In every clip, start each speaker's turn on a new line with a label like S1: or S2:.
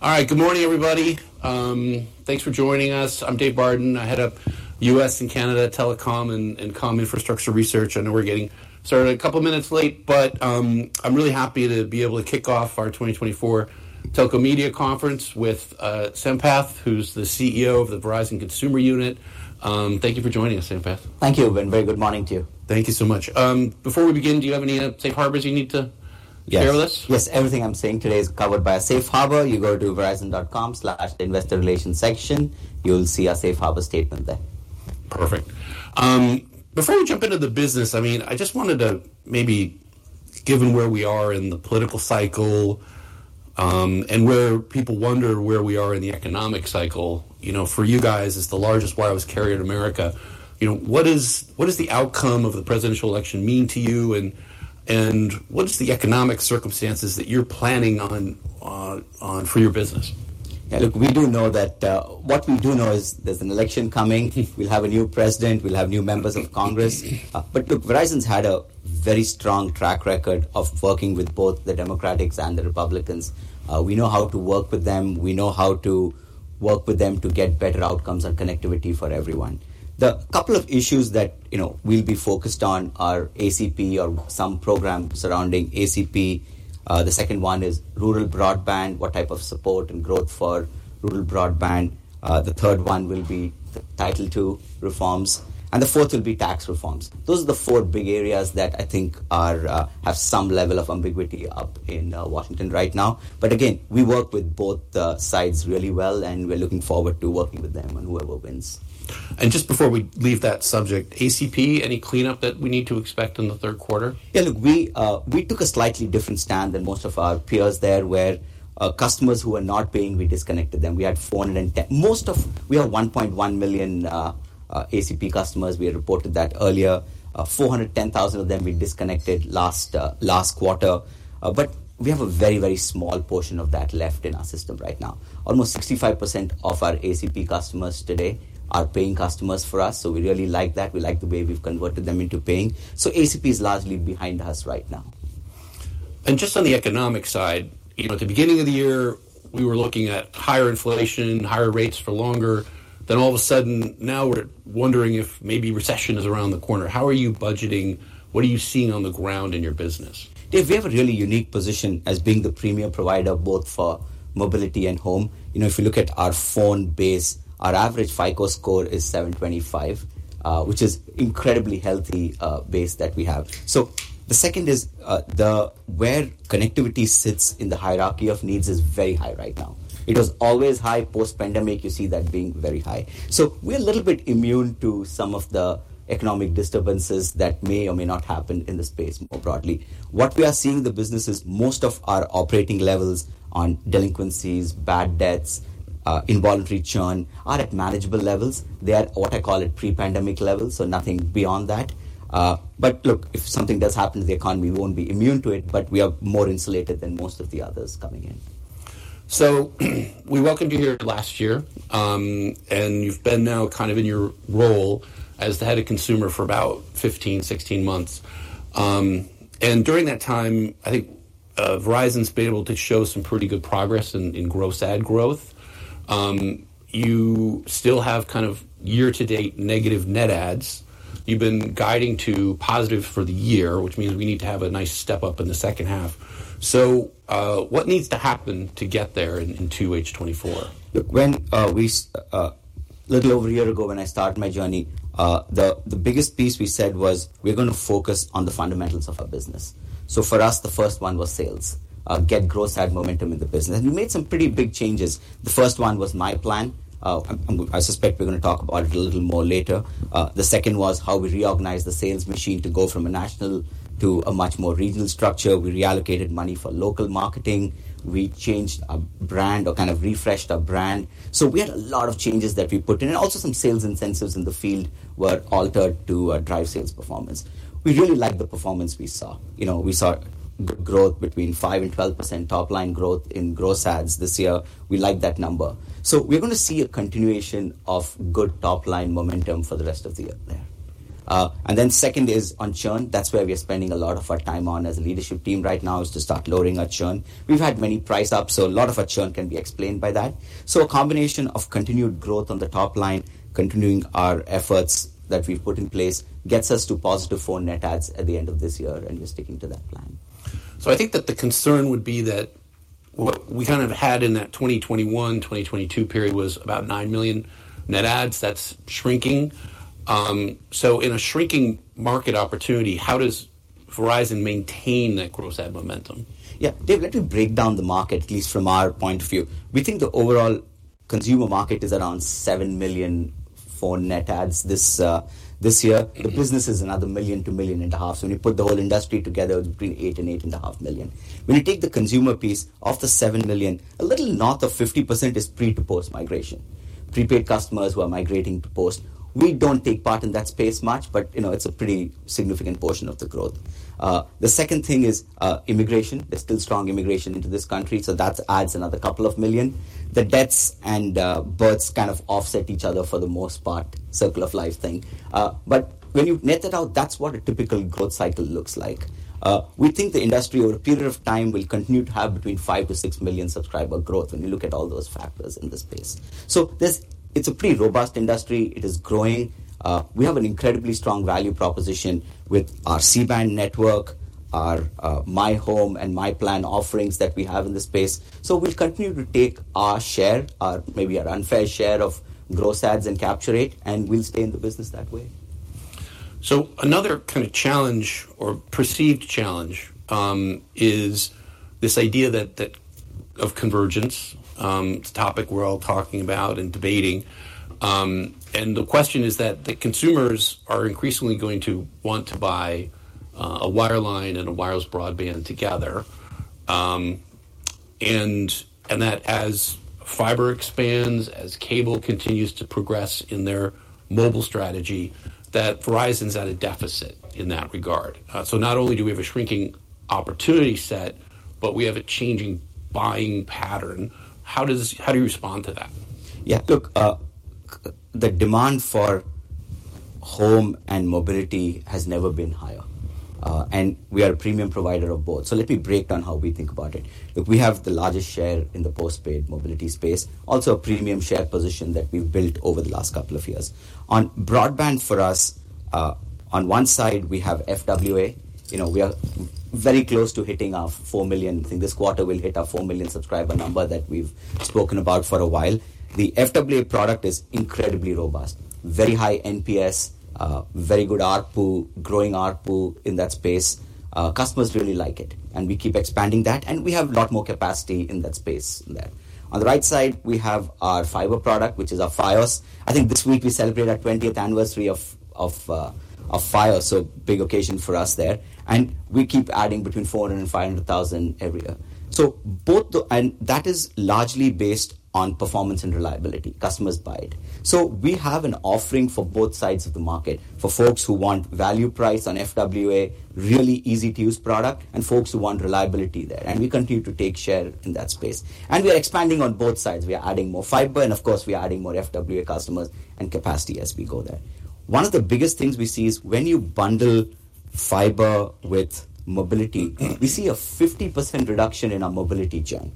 S1: All right. Good morning, everybody. Thanks for joining us. I'm Dave Barden. I head up U.S. and Canada Telecom and Comm Infrastructure Research. I know we're getting started a couple of minutes late, but I'm really happy to be able to kick off our 2024 Telco Media Conference with Sampath, who's the CEO of the Verizon Consumer Unit. Thank you for joining us, Sampath.
S2: Thank you, and very good morning to you.
S1: Thank you so much. Before we begin, do you have any Safe Harbors you need to share with us?
S2: Yes. Yes, everything I'm saying today is covered by a Safe Harbor. You go to Verizon.com/investor relations section, you'll see our Safe Harbor statement there.
S1: Perfect. Before we jump into the business, I mean, I just wanted to maybe, given where we are in the political cycle, and where people wonder where we are in the economic cycle, you know, for you guys, as the largest wireless carrier in America, you know, what does the outcome of the presidential election mean to you, and what is the economic circumstances that you're planning on for your business?
S2: Look, we do know that. What we do know is there's an election coming. We'll have a new President. We'll have new members of Congress. But look, Verizon's had a very strong track record of working with both the Democrats and the Republicans. We know how to work with them. We know how to work with them to get better outcomes and connectivity for everyone. The couple of issues that, you know, we'll be focused on are ACP or some program surrounding ACP. The second one is rural broadband, what type of support and growth for rural broadband? The third one will be the Title II reforms, and the fourth will be tax reforms. Those are the four big areas that I think are, have some level of ambiguity up in Washington right now. But again, we work with both the sides really well, and we're looking forward to working with them on whoever wins.
S1: Just before we leave that subject, ACP, any cleanup that we need to expect in the third quarter?
S2: Yeah, look, we took a slightly different stand than most of our peers there, where customers who are not paying, we disconnected them. We had 410,000. We have 1.1 million ACP customers. We had reported that earlier. 410,000 of them, we disconnected last quarter. But we have a very, very small portion of that left in our system right now. Almost 65% of our ACP customers today are paying customers for us, so we really like that. We like the way we've converted them into paying. So ACP is largely behind us right now.
S1: Just on the economic side, you know, at the beginning of the year, we were looking at higher inflation, higher rates for longer. Then all of a sudden, now we're wondering if maybe recession is around the corner. How are you budgeting? What are you seeing on the ground in your business?
S2: Dave, we have a really unique position as being the premium provider both for mobility and home. You know, if you look at our phone base, our average FICO score is 725, which is incredibly healthy base that we have. So the second is, the, where connectivity sits in the hierarchy of needs is very high right now. It was always high post-pandemic, you see that being very high. So we're a little bit immune to some of the economic disturbances that may or may not happen in the space more broadly. What we are seeing in the business is most of our operating levels on delinquencies, bad debts, involuntary churn, are at manageable levels. They are, what I call it, pre-pandemic levels, so nothing beyond that. But look, if something does happen to the economy, we won't be immune to it, but we are more insulated than most of the others coming in.
S1: So we welcomed you here last year, and you've been now kind of in your role as the head of consumer for about 15, 16 months. And during that time, I think, Verizon's been able to show some pretty good progress in gross adds growth. You still have kind of year-to-date negative net adds. You've been guiding to positive for the year, which means we need to have a nice step up in the second half. So, what needs to happen to get there into H2 2024?
S2: Little over a year ago, when I started my journey, the biggest piece we said was: We're gonna focus on the fundamentals of our business. So for us, the first one was sales, get gross adds momentum in the business, and we made some pretty big changes. The first one was myPlan. I suspect we're gonna talk about it a little more later. The second was how we reorganized the sales machine to go from a national to a much more regional structure. We reallocated money for local marketing. We changed our brand or kind of refreshed our brand. So we had a lot of changes that we put in, and also some sales incentives in the field were altered to drive sales performance. We really like the performance we saw. You know, we saw good growth between 5% and 12% top-line growth in gross adds this year. We like that number. So we're gonna see a continuation of good top-line momentum for the rest of the year there. And then second is on churn. That's where we are spending a lot of our time on as a leadership team right now, is to start lowering our churn. We've had many price ups, so a lot of our churn can be explained by that. So a combination of continued growth on the top line, continuing our efforts that we've put in place, gets us to positive phone net adds at the end of this year, and we're sticking to that plan.
S1: So I think that the concern would be that what we kind of had in that 2021, 2022 period was about nine million net adds. That's shrinking. So in a shrinking market opportunity, how does Verizon maintain that gross adds momentum?
S2: Yeah. Dave, let me break down the market, at least from our point of view. We think the overall consumer market is around 7 million phone net adds this year. The business is another 1 million-1.5 million. So when you put the whole industry together, between 8 million and 8.5 million. When you take the consumer piece, of the 7 million, a little north of 50% is pre to post migration. Prepaid customers who are migrating to post, we don't take part in that space much, but, you know, it's a pretty significant portion of the growth. The second thing is immigration. There's still strong immigration into this country, so that adds another couple of million. The deaths and births kind of offset each other for the most part, circle of life thing. But when you net it out, that's what a typical growth cycle looks like. We think the industry, over a period of time, will continue to have between 5 million-6 million subscriber growth when you look at all those factors in the space. So this, it's a pretty robust industry. It is growing. We have an incredibly strong value proposition with our C-band network, our myHome and myPlan offerings that we have in the space. So we'll continue to take our share, or maybe our unfair share, of growth adds and capture it, and we'll stay in the business that way.
S1: So another kind of challenge, or perceived challenge, is this idea of convergence. It's a topic we're all talking about and debating. And the question is that the consumers are increasingly going to want to buy a wireline and a wireless broadband together. And that as fiber expands, as cable continues to progress in their mobile strategy, that Verizon's at a deficit in that regard. So not only do we have a shrinking opportunity set, but we have a changing buying pattern. How does this, how do you respond to that?
S2: Yeah, look, the demand for home and mobility has never been higher, and we are a premium provider of both. So let me break down how we think about it. Look, we have the largest share in the postpaid mobility space, also a premium share position that we've built over the last couple of years. On broadband for us, on one side, we have FWA. You know, we are very close to hitting our 4 million. I think this quarter will hit our 4 million subscriber number that we've spoken about for a while. The FWA product is incredibly robust, very high NPS, very good ARPU, growing ARPU in that space. Customers really like it, and we keep expanding that, and we have a lot more capacity in that space there. On the right side, we have our fiber product, which is our Fios. I think this week we celebrate our 20th anniversary of Fios, so big occasion for us there. We keep adding between 400,000 and 500,000 every year. That is largely based on performance and reliability. Customers buy it. We have an offering for both sides of the market. For folks who want value price on FWA, really easy to use product, and folks who want reliability there, and we continue to take share in that space. We are expanding on both sides. We are adding more fiber, and of course, we are adding more FWA customers and capacity as we go there. One of the biggest things we see is when you bundle fiber with mobility, we see a 50% reduction in our mobility churn,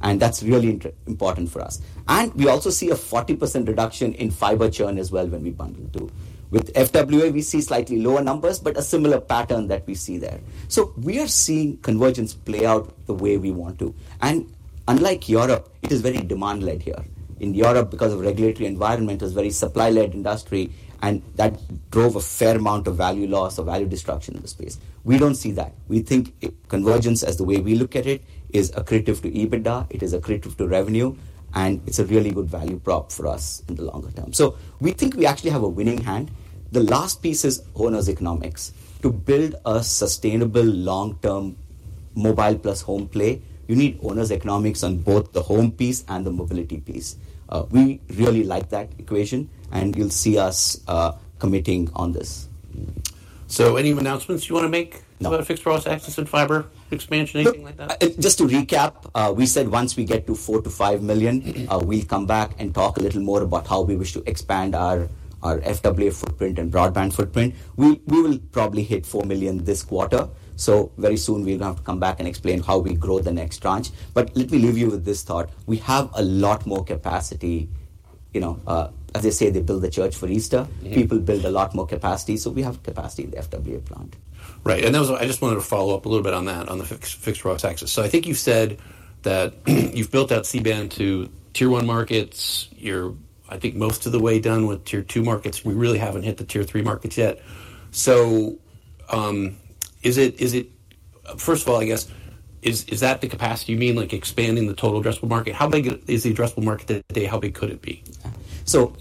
S2: and that's really important for us. And we also see a 40% reduction in fiber churn as well when we bundle, too. With FWA, we see slightly lower numbers, but a similar pattern that we see there. So we are seeing convergence play out the way we want to. And unlike Europe, it is very demand-led here. In Europe, because of regulatory environment, is very supply-led industry, and that drove a fair amount of value loss or value destruction in the space. We don't see that. We think convergence, as the way we look at it, is accretive to EBITDA, it is accretive to revenue, and it's a really good value prop for us in the longer term. So we think we actually have a winning hand. The last piece is owners' economics. To build a sustainable long-term mobile plus home play, you need owners' economics on both the home piece and the mobility piece. We really like that equation, and you'll see us committing on this.
S1: So, any announcements you want to make?
S2: No.
S1: about fixed wireless access and fiber expansion, anything like that?
S2: Look, just to recap, we said once we get to 4 million to 5 million-
S1: Mm-hmm.
S2: We'll come back and talk a little more about how we wish to expand our FWA footprint and broadband footprint. We will probably hit four million this quarter, so very soon we'll have to come back and explain how we grow the next tranche. But let me leave you with this thought: We have a lot more capacity. You know, as they say, they build the church for Easter.
S1: Mm-hmm.
S2: People build a lot more capacity, so we have capacity in the FWA plant.
S1: Right. And that was, I just wanted to follow up a little bit on that, on the fixed wireless access. So I think you said that, you've built out C-band to Tier 1 markets. You're, I think, most of the way done with Tier 2 markets. We really haven't hit the Tier 3 markets yet. So, is it... First of all, I guess, is that the capacity you mean, like expanding the total addressable market? How big is the addressable market today? How big could it be?
S2: So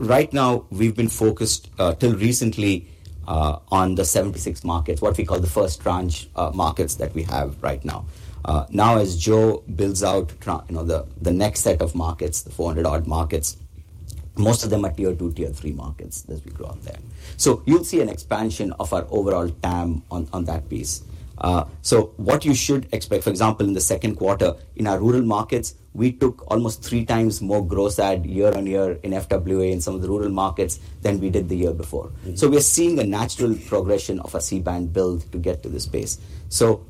S2: right now, we've been focused till recently on the 76 markets, what we call the first tranche, markets that we have right now. Now, as Joe builds out. You know, the next set of markets, the 400-odd markets, most of them are Tier 2, Tier 3 markets as we grow out there. So you'll see an expansion of our overall TAM on that piece. So what you should expect, for example, in the second quarter, in our rural markets, we took almost 3x more gross add year on year in FWA in some of the rural markets than we did the year before.
S1: Mm-hmm.
S2: So we're seeing a natural progression of a C-band build to get to this space. So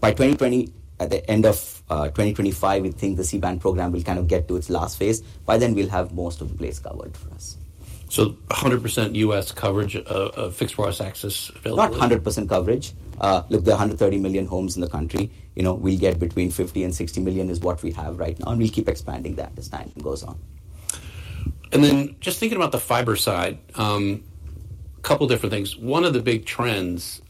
S2: by 2020, at the end of 2025, we think the C-band program will kind of get to its last phase. By then, we'll have most of the place covered for us.
S1: So 100% U.S. coverage of fixed wireless access availability?
S2: Not 100% coverage. Look, there are 130 million homes in the country, you know, we'll get between 50 million and 60 million, is what we have right now, and we'll keep expanding that as time goes on.
S1: And then just thinking about the fiber side, a couple different things. One of the big trends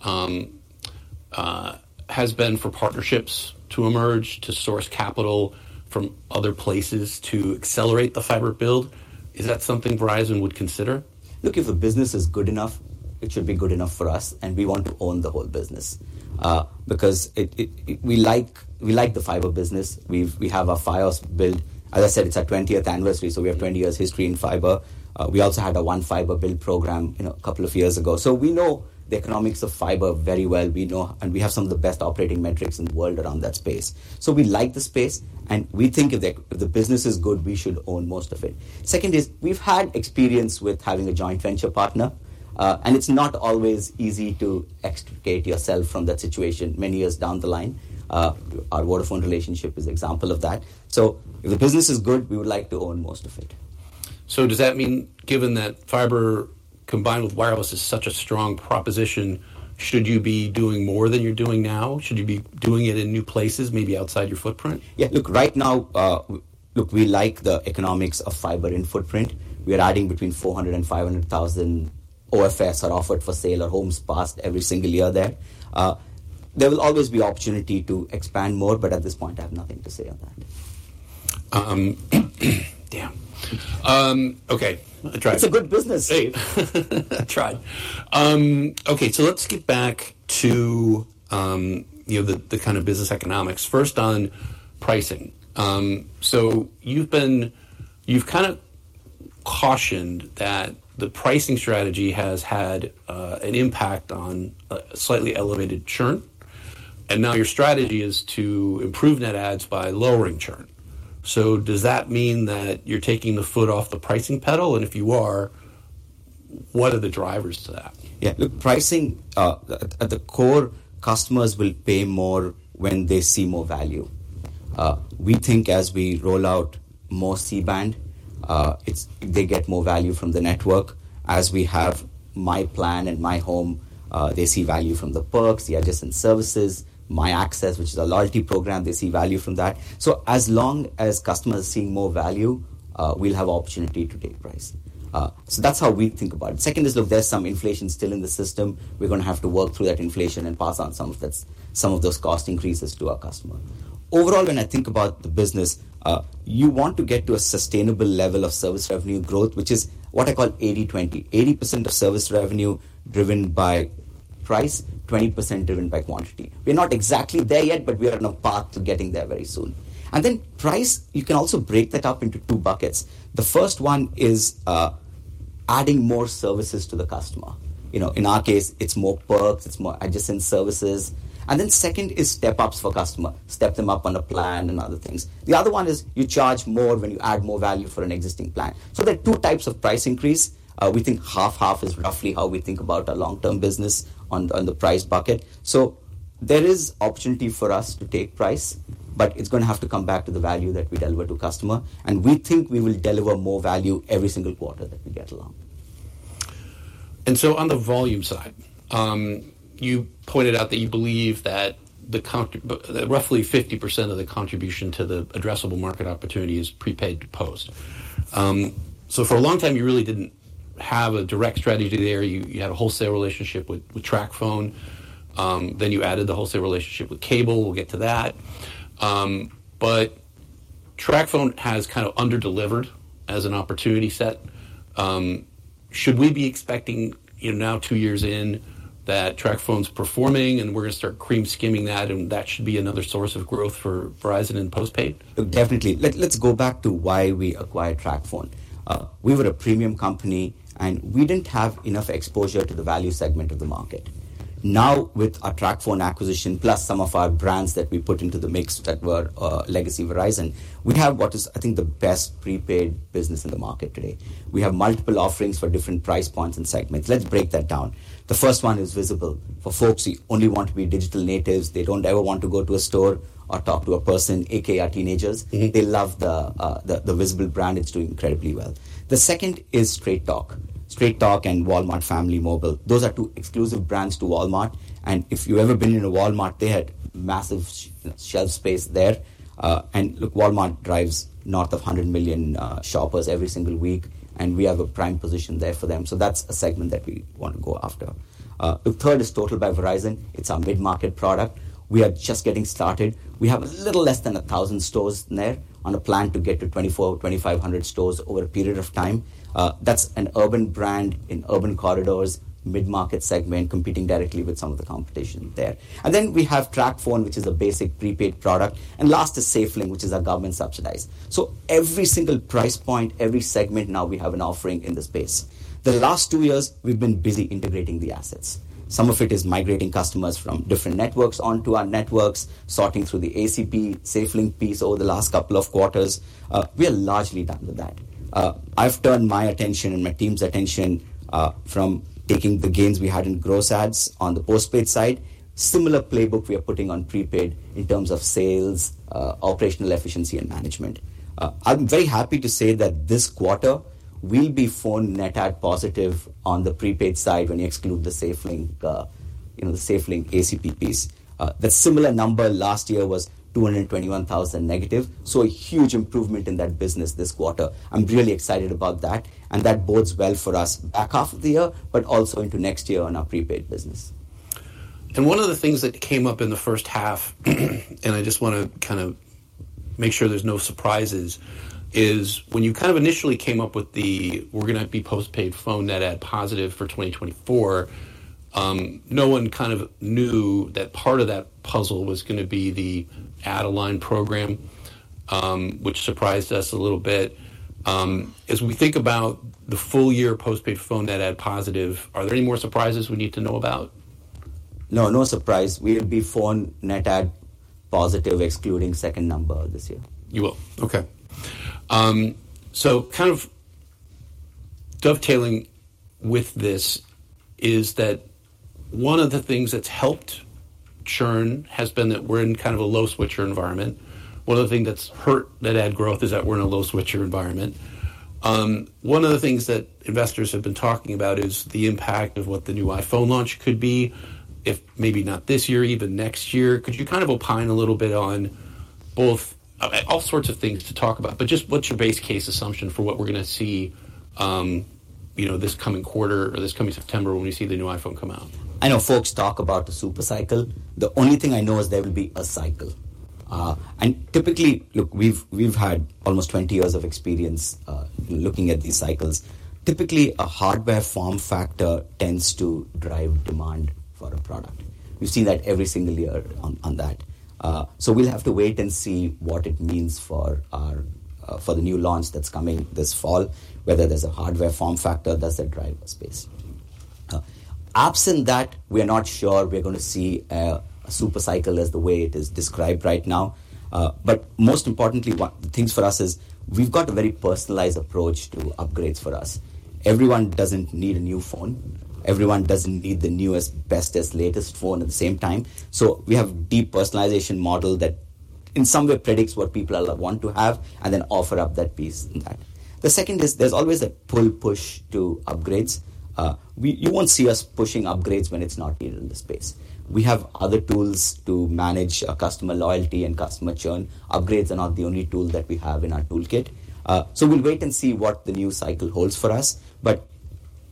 S1: has been for partnerships to emerge, to source capital from other places to accelerate the fiber build. Is that something Verizon would consider?
S2: Look, if the business is good enough, it should be good enough for us, and we want to own the whole business, because it, we like the fiber business. We have our Fios build. As I said, it's our 20th anniversary, so we have 24 years history in fiber. We also had a One Fiber build program, you know, a couple of years ago. So we know the economics of fiber very well. We know, and we have some of the best operating metrics in the world around that space. So we like the space, and we think if the business is good, we should own most of it. Second is, we've had experience with having a joint venture partner, and it's not always easy to extricate yourself from that situation many years down the line. Our Vodafone relationship is an example of that. So if the business is good, we would like to own most of it.
S1: So does that mean, given that fiber combined with wireless is such a strong proposition, should you be doing more than you're doing now? Should you be doing it in new places, maybe outside your footprint?
S2: Yeah, look, right now, we like the economics of fiber in footprint. We are adding between 400,000 and 500,000 OFS, or Open for Sale, or homes passed every single year there. There will always be opportunity to expand more, but at this point, I have nothing to say on that.
S1: Damn. Okay, I tried.
S2: It's a good business.
S1: Hey, I tried. Okay, so let's get back to, you know, the kind of business economics. First, on pricing. So you've been... You've kind of cautioned that the pricing strategy has had an impact on slightly elevated churn, and now your strategy is to improve net adds by lowering churn. So does that mean that you're taking the foot off the pricing pedal? And if you are, what are the drivers to that?
S2: Yeah, look, pricing at the core, customers will pay more when they see more value. We think as we roll out more C-band, they get more value from the network. As we have myPlan and myHome, they see value from the perks, the adjacent services, myAccess, which is a loyalty program, they see value from that. So as long as customers are seeing more value, we'll have opportunity to take price. So that's how we think about it. Second is, look, there's some inflation still in the system. We're going to have to work through that inflation and pass on some of this, some of those cost increases to our customer. Overall, when I think about the business, you want to get to a sustainable level of service revenue growth, which is what I call 80/20. 80% of service revenue driven by price, 20% driven by quantity. We're not exactly there yet, but we are on a path to getting there very soon. And then price, you can also break that up into two buckets. The first one is, adding more services to the customer. You know, in our case, it's more perks, it's more adjacent services. And then second is step ups for customer, step them up on a plan and other things. The other one is you charge more when you add more value for an existing plan. So there are two types of price increase. We think half/half is roughly how we think about a long-term business on, on the price bucket. So there is opportunity for us to take price, but it's going to have to come back to the value that we deliver to customer, and we think we will deliver more value every single quarter that we get along.
S1: And so on the volume side, you pointed out that you believe that roughly 50% of the contribution to the addressable market opportunity is prepaid to post, so for a long time, you really didn't have a direct strategy there. You had a wholesale relationship with TracFone, then you added the wholesale relationship with Cable. We'll get to that, but TracFone has kind of under-delivered as an opportunity set. Should we be expecting, you know, now, two years in, that TracFone's performing and we're going to start cream skimming that, and that should be another source of growth for Verizon in postpaid?
S2: Definitely. Let's go back to why we acquired TracFone. We were a premium company, and we didn't have enough exposure to the value segment of the market. Now, with our TracFone acquisition, plus some of our brands that we put into the mix that were legacy Verizon, we have what is, I think, the best prepaid business in the market today. We have multiple offerings for different price points and segments. Let's break that down. The first one is Visible. For folks who only want to be digital natives, they don't ever want to go to a store or talk to a person, aka our teenagers.
S1: Mm-hmm.
S2: They love the, the, the Visible brand. It's doing incredibly well. The second is Straight Talk. Straight Talk and Walmart Family Mobile. Those are two exclusive brands to Walmart, and if you've ever been in a Walmart, they had massive shelf space there. And look, Walmart drives north of 100 million shoppers every single week, and we have a prime position there for them. So that's a segment that we want to go after. The third is Total by Verizon. It's our mid-market product. We are just getting started. We have a little less than 1,000 stores there on a plan to get to 2,400-2,500 stores over a period of time. That's an urban brand in urban corridors, mid-market segment, competing directly with some of the competition there. And then we have TracFone, which is a basic prepaid product, and last is SafeLink, which is a government subsidized. So every single price point, every segment, now we have an offering in the space. The last two years, we've been busy integrating the assets. Some of it is migrating customers from different networks onto our networks, sorting through the ACP SafeLink piece over the last couple of quarters. We are largely done with that. I've turned my attention and my team's attention from taking the gains we had in gross adds on the postpaid side. Similar playbook we are putting on prepaid in terms of sales, operational efficiency, and management. I'm very happy to say that this quarter will be phone net add positive on the prepaid side when you exclude the SafeLink, you know, the SafeLink ACP piece. The similar number last year was -221,000, so a huge improvement in that business this quarter. I'm really excited about that, and that bodes well for us back half of the year, but also into next year on our prepaid business.
S1: One of the things that came up in the first half, and I just want to kind of make sure there's no surprises, is when you kind of initially came up with the, "we're going to be postpaid phone net add positive for 2024," no one kind of knew that part of that puzzle was gonna be the add-a-line program, which surprised us a little bit. As we think about the full year postpaid phone net add positive, are there any more surprises we need to know about?
S2: No, no surprise. We'll be phone net add positive, excluding second number this year.
S1: You will. Okay. So kind of dovetailing with this is that one of the things that's helped churn has been that we're in kind of a low switcher environment. One of the things that's hurt net add growth is that we're in a low switcher environment. One of the things that investors have been talking about is the impact of what the new iPhone launch could be, if maybe not this year, even next year. Could you kind of opine a little bit on both... All sorts of things to talk about, but just what's your base case assumption for what we're gonna see, you know, this coming quarter or this coming September when we see the new iPhone come out?
S2: I know folks talk about the super cycle. The only thing I know is there will be a cycle, and typically, look, we've had almost 20 years of experience looking at these cycles. Typically, a hardware form factor tends to drive demand for a product. We've seen that every single year on that, so we'll have to wait and see what it means for our for the new launch that's coming this fall, whether there's a hardware form factor that's a driver space. Absent that, we are not sure we are gonna see a super cycle as the way it is described right now, but most importantly, what the things for us is we've got a very personalized approach to upgrades for us. Everyone doesn't need a new phone. Everyone doesn't need the newest, bestest, latest phone at the same time. So we have a deep personalization model that in some way predicts what people are want to have and then offer up that piece in that. The second is there's always a pull push to upgrades. You won't see us pushing upgrades when it's not needed in the space. We have other tools to manage customer loyalty and customer churn. Upgrades are not the only tool that we have in our toolkit. So we'll wait and see what the new cycle holds for us, but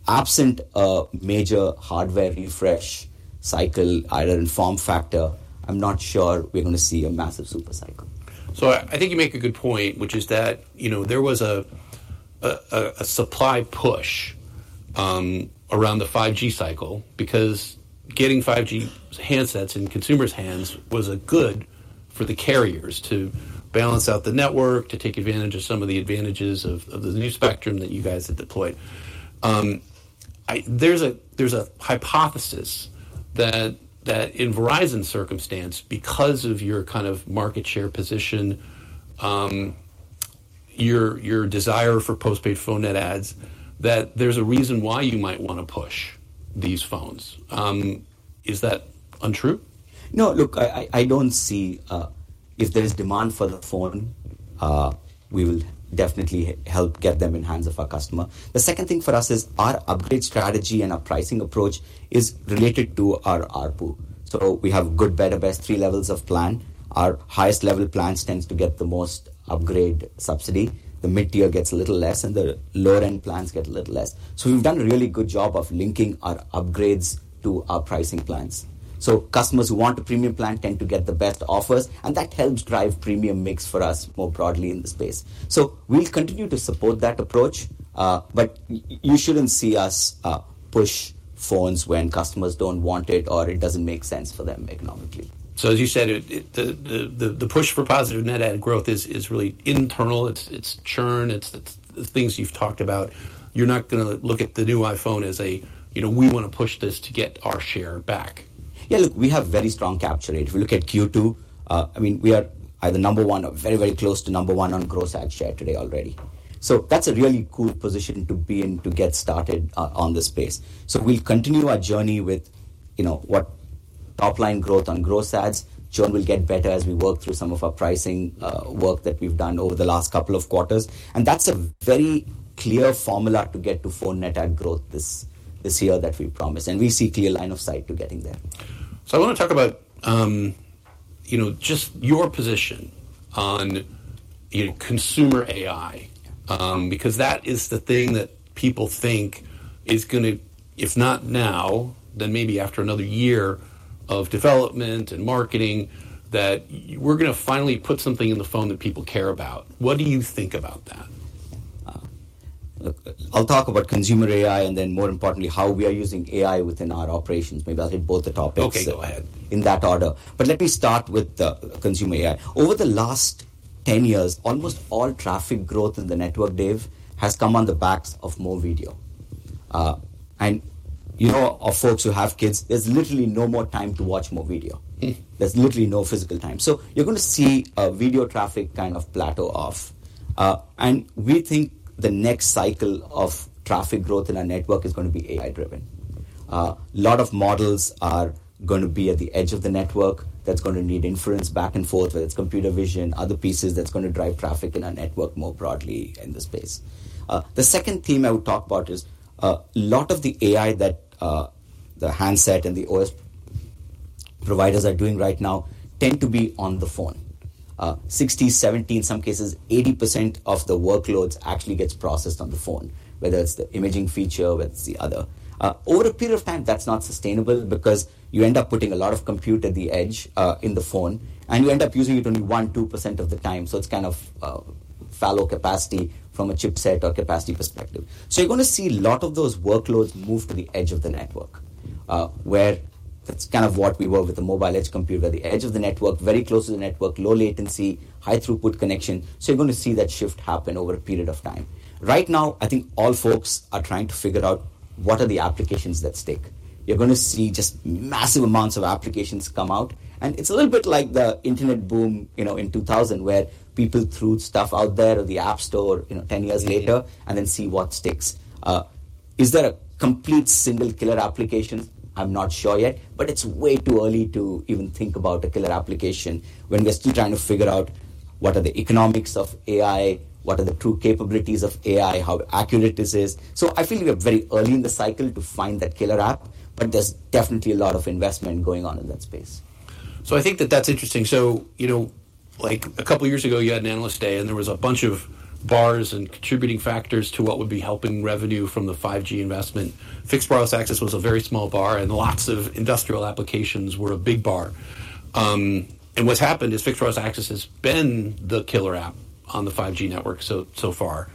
S2: absent a major hardware refresh cycle, either in form factor, I'm not sure we're gonna see a massive super cycle.
S1: So I think you make a good point, which is that, you know, there was a supply push around the 5G cycle because getting 5G handsets in consumers hands was a good for the carriers to balance out the network, to take advantage of some of the advantages of the new spectrum that you guys had deployed. There's a hypothesis that in Verizon's circumstance, because of your kind of market share position, your desire for postpaid phone net adds, that there's a reason why you might wanna push these phones. Is that untrue?
S2: No, look, I don't see... If there is demand for the phone, we will definitely help get them in hands of our customer. The second thing for us is our upgrade strategy and our pricing approach is related to our ARPU. So we have good, better, best, three levels of plan. Our highest level plans tends to get the most upgrade subsidy, the mid-tier gets a little less, and the lower-end plans get a little less. So we've done a really good job of linking our upgrades to our pricing plans. So customers who want a premium plan tend to get the best offers, and that helps drive premium mix for us more broadly in the space. So we'll continue to support that approach, but you shouldn't see us push phones when customers don't want it or it doesn't make sense for them economically.
S1: So, as you said, the push for positive net add growth is really internal. It's churn, it's the things you've talked about. You're not gonna look at the new iPhone as a, you know, we wanna push this to get our share back.
S2: Yeah, look, we have very strong capture rate. If we look at Q2, I mean, we are either number one or very, very close to number one on gross add share today already. So that's a really cool position to be in to get started on this space. So we'll continue our journey with, you know, what top-line growth on gross adds. Churn will get better as we work through some of our pricing work that we've done over the last couple of quarters, and that's a very clear formula to get to phone net add growth this, this year that we promised, and we see clear line of sight to getting there.
S1: So I wanna talk about, you know, just your position on, you know, consumer AI, because that is the thing that people think is gonna, if not now, then maybe after another year of development and marketing, that we're gonna finally put something in the phone that people care about. What do you think about that?
S2: Look, I'll talk about consumer AI and then, more importantly, how we are using AI within our operations. Maybe I'll hit both the topics-
S1: Okay, go ahead.
S2: In that order. But let me start with the consumer AI. Over the last 10 years, almost all traffic growth in the network, Dave, has come on the backs of more video, and you know, of folks who have kids, there's literally no more time to watch more video.
S1: Mm.
S2: There's literally no physical time. So you're gonna see video traffic kind of plateau off, and we think the next cycle of traffic growth in our network is gonna be AI driven. A lot of models are gonna be at the edge of the network. That's gonna need inference back and forth, whether it's computer vision, other pieces. That's gonna drive traffic in our network more broadly in this space. The second theme I would talk about is a lot of the AI that the handset and the OS providers are doing right now tend to be on the phone. 60%, 70%, in some cases, 80% of the workloads actually gets processed on the phone, whether it's the imaging feature, whether it's the other. Over a period of time, that's not sustainable because you end up putting a lot of compute at the edge, in the phone, and you end up using it only 1%-2% of the time. So it's kind of fallow capacity from a chipset or capacity perspective. So you're gonna see a lot of those workloads move to the edge of the network, where that's kind of what we were with the Mobile Edge Compute, where the edge of the network, very close to the network, low latency, high throughput connection. So you're going to see that shift happen over a period of time. Right now, I think all folks are trying to figure out what are the applications that stick. You're gonna see just massive amounts of applications come out, and it's a little bit like the internet boom, you know, in 2000, where people threw stuff out there or the app store, you know, 10 years later and then see what sticks. Is there a complete single killer application? I'm not sure yet, but it's way too early to even think about a killer application when we're still trying to figure out what are the economics of AI, what are the true capabilities of AI, how accurate this is. So I feel we are very early in the cycle to find that killer app, but there's definitely a lot of investment going on in that space.
S1: So I think that that's interesting. So, you know, like a couple of years ago, you had an analyst day, and there was a bunch of bars and contributing factors to what would be helping revenue from the 5G investment. Fixed wireless access was a very small bar, and lots of industrial applications were a big bar, and what's happened is fixed wireless access has been the killer app on the 5G network, so far,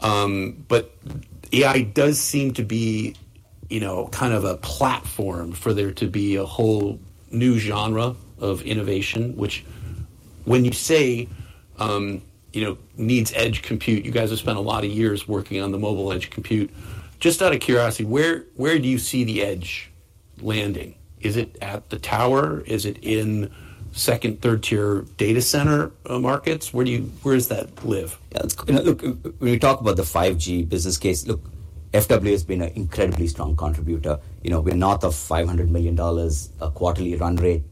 S1: but AI does seem to be, you know, kind of a platform for there to be a whole new genre of innovation, which when you say, you know, needs edge compute, you guys have spent a lot of years working on the Mobile Edge Compute. Just out of curiosity, where do you see the edge landing? Is it at the tower? Is it in second- and third-tier data center markets? Where does that live?
S2: Yeah, look, when we talk about the 5G business case, look, FWA has been an incredibly strong contributor. You know, we're north of $500 million, a quarterly run rate,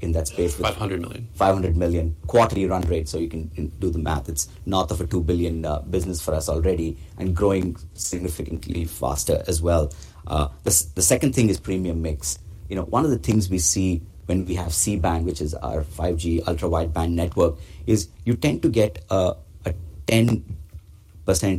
S2: in that space-
S1: $500 million.
S2: $500 million quarterly run rate, so you can do the math. It's north of a $2 billion business for us already and growing significantly faster as well. The second thing is premium mix. You know, one of the things we see when we have C-band, which is our 5G Ultra Wideband network, is you tend to get a 10%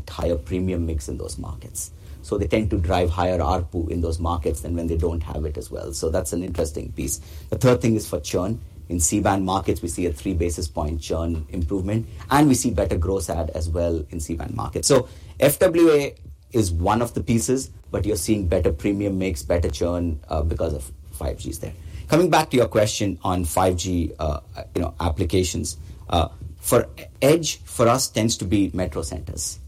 S2: higher premium mix in those markets. So they tend to drive higher ARPU in those markets than when they don't have it as well. So that's an interesting piece. The third thing is for churn. In C-band markets, we see a three basis point churn improvement, and we see better gross add as well in C-band markets. So FWA is one of the pieces, but you're seeing better premium mix, better churn, because of 5G is there. Coming back to your question on 5G, you know, applications for edge, for us tends to be metro centers.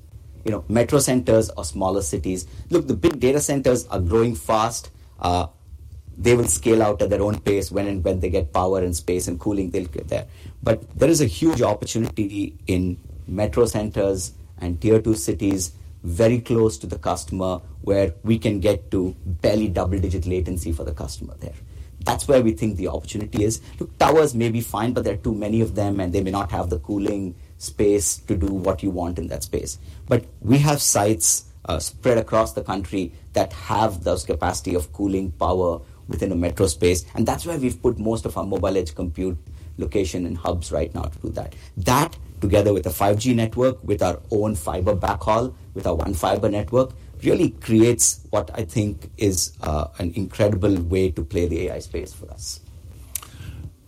S2: You know, metro centers or smaller cities. Look, the big data centers are growing fast. They will scale out at their own pace when they get power and space and cooling, they'll get there. But there is a huge opportunity in metro centers and Tier 2 cities, very close to the customer, where we can get to barely double-digit latency for the customer there. That's where we think the opportunity is. Look, towers may be fine, but there are too many of them, and they may not have the cooling space to do what you want in that space. But we have sites, spread across the country that have those capacity of cooling power within a metro space, and that's where we've put most of our Mobile Edge Compute location and hubs right now to do that. That, together with the 5G network, with our own fiber backhaul, with our One Fiber network, really creates what I think is, an incredible way to play the AI space for us.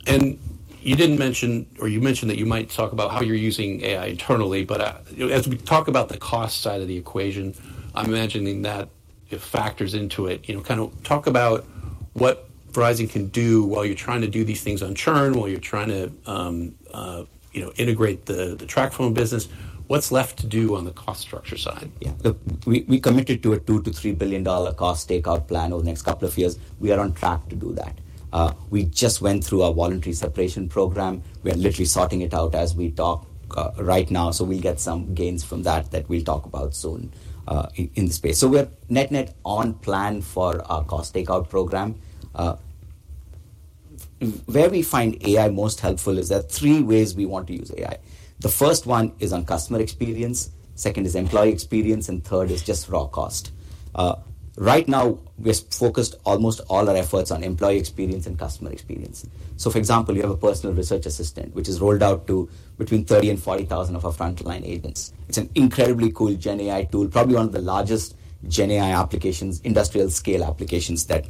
S1: And you didn't mention, or you mentioned that you might talk about how you're using AI internally, but, as we talk about the cost side of the equation, I'm imagining that it factors into it. You know, kind of talk about what Verizon can do while you're trying to do these things on churn, while you're trying to, you know, integrate the TracFone business. What's left to do on the cost structure side?
S2: Yeah. We committed to a $2 billion-$3 billion cost takeout plan over the next couple of years. We are on track to do that. We just went through our Voluntary Separation Program. We are literally sorting it out as we talk right now, so we'll get some gains from that that we'll talk about soon in this space. So we're net-net on plan for our cost takeout program. Where we find AI most helpful is there are three ways we want to use AI. The first one is on customer experience, second is employee experience, and third is just raw cost. Right now, we're focused almost all our efforts on employee experience and customer experience. So, for example, you have a personal research assistant, which is rolled out to between 30,000 and 40,000 of our frontline agents. It's an incredibly cool GenAI tool, probably one of the largest GenAI applications, industrial scale applications that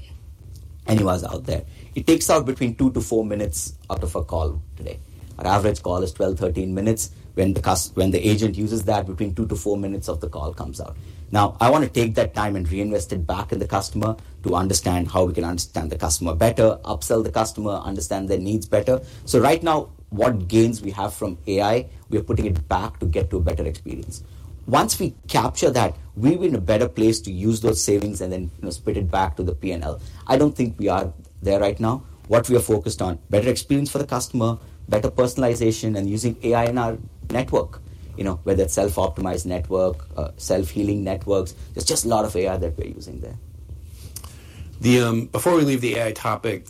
S2: anyone's out there. It takes out between 2 minutes to 4 minutes out of a call today. Our average call is 12 minutes, 13 minutes. When the agent uses that, between 2 minutes to 4 minutes of the call comes out. Now, I want to take that time and reinvest it back in the customer to understand how we can understand the customer better, upsell the customer, understand their needs better. So right now, what gains we have from AI, we are putting it back to get to a better experience. Once we capture that, we'll be in a better place to use those savings and then, you know, split it back to the P&L. I don't think we are there right now. What we are focused on: better experience for the customer, better personalization, and using AI in our network, you know, whether it's self-optimized network, self-healing networks, there's just a lot of AI that we're using there.
S1: Before we leave the AI topic,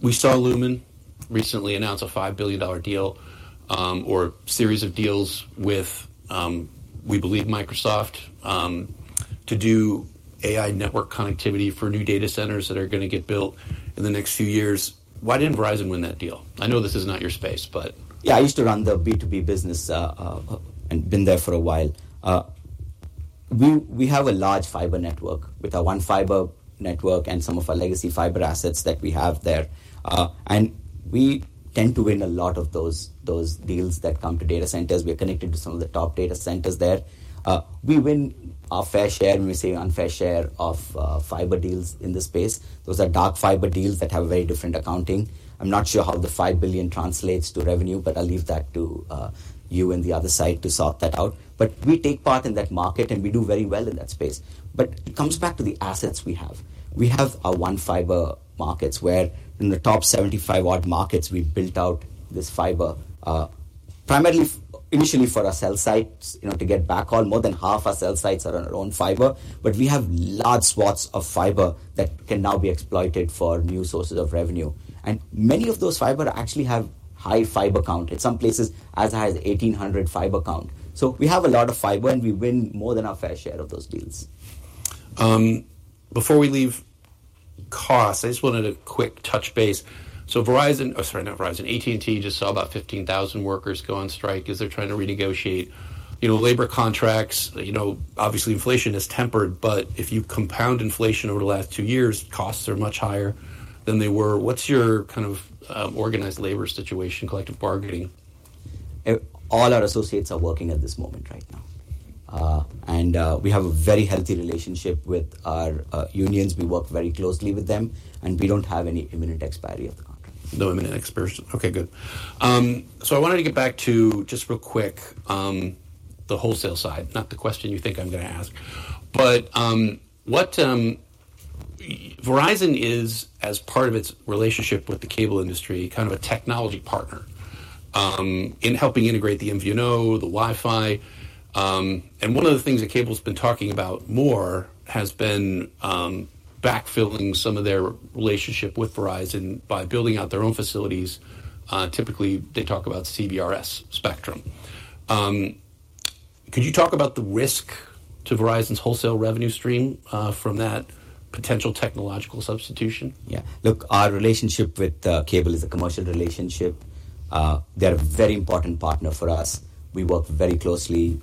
S1: we saw Lumen recently announce a $5 billion deal, or series of deals with, we believe Microsoft, to do AI network connectivity for new data centers that are gonna get built in the next few years. Why didn't Verizon win that deal? I know this is not your space, but-
S2: Yeah, I used to run the B2B business and been there for a while. We have a large fiber network with our One Fiber network and some of our legacy fiber assets that we have there. And we tend to win a lot of those deals that come to data centers. We are connected to some of the top data centers there. We win our fair share, when we say our fair share of fiber deals in the space. Those are dark fiber deals that have a very different accounting. I'm not sure how the $5 billion translates to revenue, but I'll leave that to you and the other side to sort that out. But we take part in that market, and we do very well in that space. But it comes back to the assets we have. We have our One Fiber markets, where in the top 75-odd markets, we've built out this fiber, primarily initially for our cell sites, you know, to get backhaul. More than half our cell sites are on our own fiber, but we have large swaths of fiber that can now be exploited for new sources of revenue, and many of those fiber actually have high fiber count, in some places as high as 1,800 fiber count, so we have a lot of fiber, and we win more than our fair share of those deals.
S1: Before we leave costs, I just wanted to quick touch base. So Verizon, or sorry, not Verizon, AT&T just saw about 15,000 workers go on strike as they're trying to renegotiate, you know, labor contracts. You know, obviously, inflation has tempered, but if you compound inflation over the last two years, costs are much higher than they were. What's your kind of organized labor situation, collective bargaining?
S2: All our associates are working at this moment right now, and we have a very healthy relationship with our unions. We work very closely with them, and we don't have any imminent expiry of the contract.
S1: No imminent expiration. Okay, good. So I wanted to get back to, just real quick, the wholesale side, not the question you think I'm gonna ask. But what Verizon is, as part of its relationship with the cable industry, kind of a technology partner in helping integrate the MVNO, the Wi-Fi. And one of the things that cable's been talking about more has been backfilling some of their relationship with Verizon by building out their own facilities. Typically, they talk about CBRS spectrum. Could you talk about the risk to Verizon's wholesale revenue stream from that potential technological substitution?
S2: Yeah. Look, our relationship with cable is a commercial relationship. They're a very important partner for us. We work very closely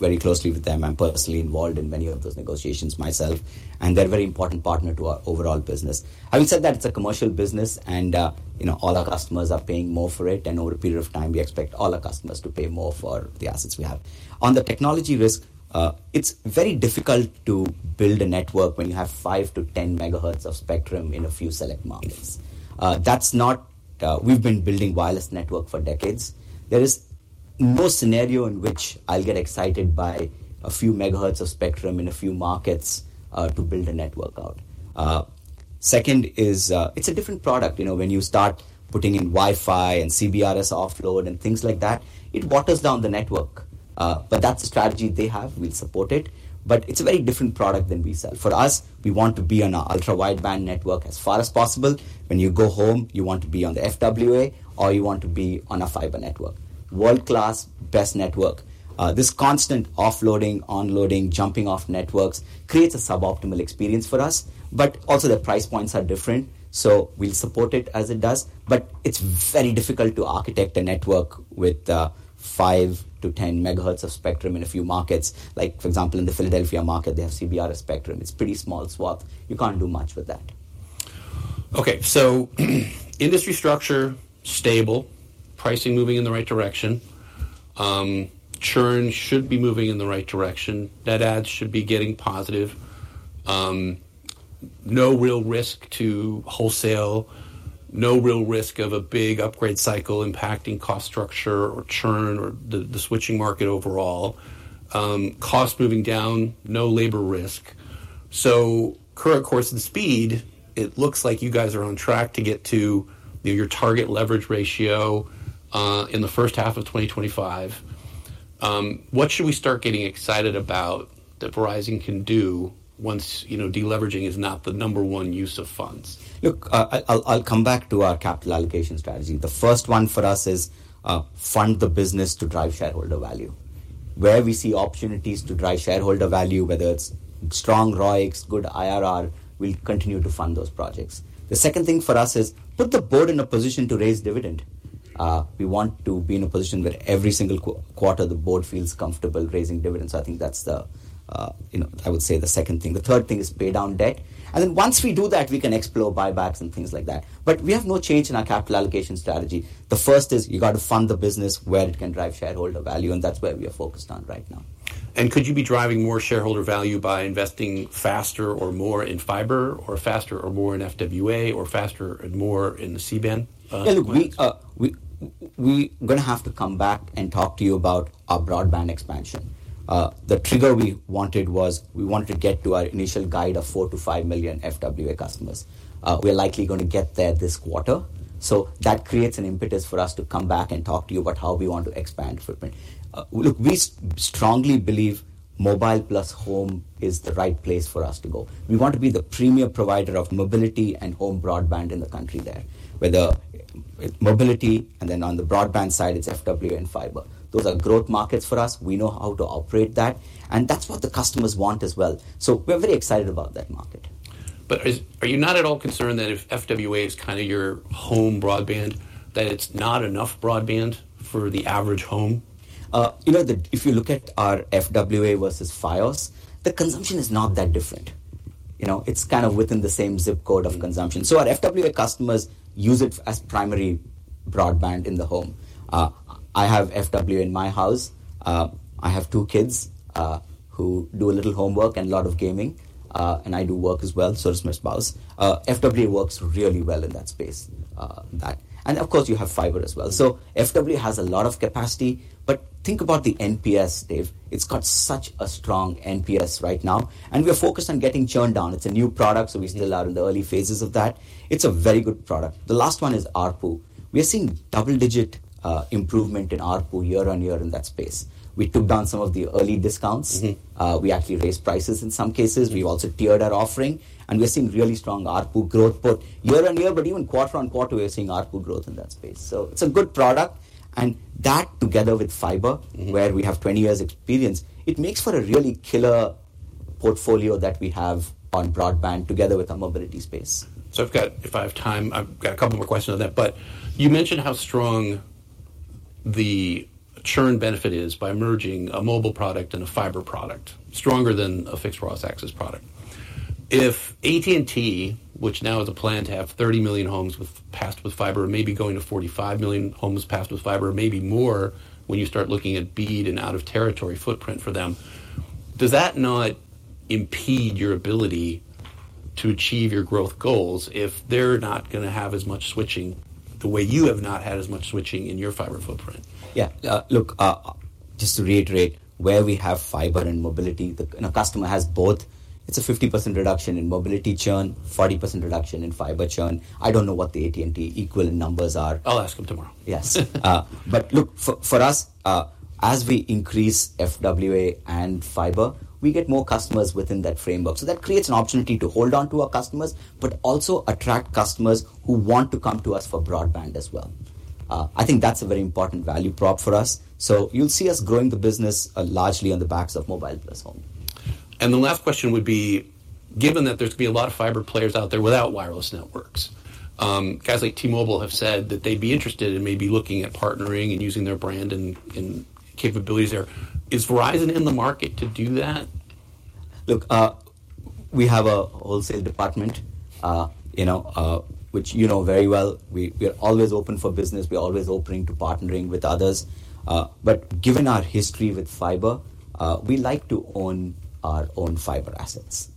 S2: with them. I'm personally involved in many of those negotiations myself, and they're a very important partner to our overall business. Having said that, it's a commercial business and, you know, all our customers are paying more for it, and over a period of time, we expect all our customers to pay more for the assets we have. On the technology risk, it's very difficult to build a network when you have 5 MHz-10 MHz of spectrum in a few select markets. That's not... We've been building wireless network for decades. There is no scenario in which I'll get excited by a few MHz of spectrum in a few markets to build a network out. Second is, it's a different product. You know, when you start putting in Wi-Fi and CBRS offload and things like that, it waters down the network. But that's the strategy they have, we'll support it, but it's a very different product than we sell. For us, we want to be on a ultra wideband network as far as possible. When you go home, you want to be on the FWA, or you want to be on a fiber network. World-class best network. This constant offloading, onboarding, jumping off networks creates a suboptimal experience for us, but also the price points are different, so we'll support it as it does. But it's very difficult to architect a network with 5 MHz-10 MHz of spectrum in a few markets. Like, for example, in the Philadelphia market, they have CBRS spectrum. It's pretty small swath. You can't do much with that.
S1: Okay, so industry structure, stable. Pricing moving in the right direction. Churn should be moving in the right direction. Net adds should be getting positive. No real risk to wholesale. No real risk of a big upgrade cycle impacting cost structure, or churn, or the switching market overall. Cost moving down, no labor risk. So current course and speed, it looks like you guys are on track to get to your target leverage ratio in the first half of 2025. What should we start getting excited about that Verizon can do once, you know, deleveraging is not the number one use of funds?
S2: Look, I'll come back to our capital allocation strategy. The first one for us is fund the business to drive shareholder value. Where we see opportunities to drive shareholder value, whether it's strong ROICs, good IRR, we'll continue to fund those projects. The second thing for us is put the board in a position to raise dividend. We want to be in a position where every single quarter, the board feels comfortable raising dividends. I think that's the, you know, I would say the second thing. The third thing is pay down debt, and then once we do that, we can explore buybacks and things like that. But we have no change in our capital allocation strategy. The first is you got to fund the business where it can drive shareholder value, and that's where we are focused on right now.
S1: And could you be driving more shareholder value by investing faster or more in fiber, or faster or more in FWA, or faster and more in the C-band, plans?
S2: Yeah, look, we gonna have to come back and talk to you about our broadband expansion. The trigger we wanted was we wanted to get to our initial guide of 4 million-5 million FWA customers. We are likely going to get there this quarter, so that creates an impetus for us to come back and talk to you about how we want to expand footprint. Look, we strongly believe mobile plus home is the right place for us to go. We want to be the premier provider of mobility and home broadband in the country there, whether mobility, and then on the broadband side, it's FWA and fiber. Those are growth markets for us. We know how to operate that, and that's what the customers want as well. So we're very excited about that market.
S1: But are you not at all concerned that if FWA is kind of your home broadband, that it's not enough broadband for the average home?
S2: You know, if you look at our FWA versus Fios, the consumption is not that different. You know, it's kind of within the same zip code of consumption. So our FWA customers use it as primary broadband in the home. I have FWA in my house. I have two kids, who do a little homework and a lot of gaming, and I do work as well, so does my spouse. FWA works really well in that space, that. And of course, you have fiber as well. So FWA has a lot of capacity, but think about the NPS, Dave. It's got such a strong NPS right now, and we are focused on getting churn down. It's a new product, so we're still out in the early phases of that. It's a very good product. The last one is ARPU. We are seeing double-digit improvement in ARPU year-on-year in that space. We took down some of the early discounts.
S1: Mm-hmm.
S2: We actually raised prices in some cases. We've also tiered our offering, and we're seeing really strong ARPU growth both year-on-year, but even quarter-on-quarter, we're seeing ARPU growth in that space. So it's a good product, and that, together with fiber-
S1: Mm-hmm.
S2: Where we have 20 years experience, it makes for a really killer portfolio that we have on broadband together with our mobility space.
S1: So I've got, if I have time, I've got a couple more questions on that. But you mentioned how strong the churn benefit is by merging a mobile product and a fiber product, stronger than a fixed wireless access product. If AT&T, which now has a plan to have 30 million homes passed with fiber, maybe going to 45 million homes passed with fiber, or maybe more, when you start looking at BEAD and out of territory footprint for them, does that not impede your ability to achieve your growth goals if they're not gonna have as much switching the way you have not had as much switching in your fiber footprint?
S2: Yeah. Look, just to reiterate, where we have fiber and mobility, the, and a customer has both, it's a 50% reduction in mobility churn, 40% reduction in fiber churn. I don't know what the AT&T equal numbers are.
S1: I'll ask them tomorrow.
S2: Yes, but look, for us, as we increase FWA and fiber, we get more customers within that framework, so that creates an opportunity to hold on to our customers, but also attract customers who want to come to us for broadband as well. I think that's a very important value prop for us, so you'll see us growing the business, largely on the backs of mobile plus home.
S1: The last question would be: Given that there's going to be a lot of fiber players out there without wireless networks, guys like T-Mobile have said that they'd be interested in maybe looking at partnering and using their brand and capabilities there. Is Verizon in the market to do that?
S2: Look, we have a wholesale department, you know, which you know very well. We are always open for business. We're always open to partnering with others. But given our history with fiber, we like to own our own fiber assets.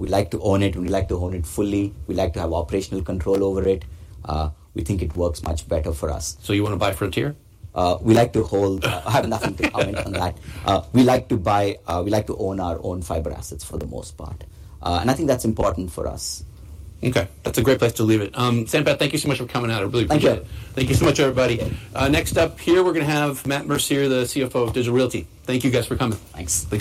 S2: We like to own it, and we like to own it fully. We like to have operational control over it. We think it works much better for us.
S1: You want to buy Frontier?
S2: We like to hold. I have nothing to comment on that. We like to buy, we like to own our own fiber assets for the most part, and I think that's important for us.
S1: Okay, that's a great place to leave it. Sampath, thank you so much for coming out. I really appreciate it.
S2: Thank you.
S1: Thank you so much, everybody.
S2: Yeah.
S1: Next up here, we're going to have Matt Mercier, the CFO of Digital Realty. Thank you, guys, for coming.
S2: Thanks.
S1: Thanks so much.